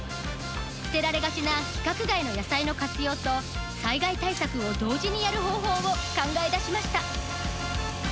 捨てられがちな規格外の野菜の活用と災害対策を同時にやる方法を考え出しました。